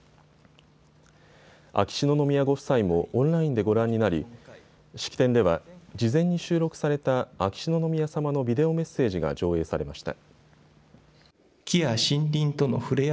秋篠宮ご夫妻もオンラインでご覧になり式典では事前に収録された秋篠宮さまのビデオメッセージが上映されました。